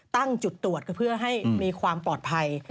ตั้งจุดตรวจเพื่อให้มีความปลอดภัย